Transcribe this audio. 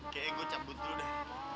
kayaknya gue cabut dulu deh